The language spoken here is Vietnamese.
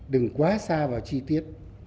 đừng quá xa vào chi tiết